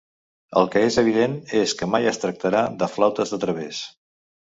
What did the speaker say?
El que és evident és que mai es tractarà de flautes de través.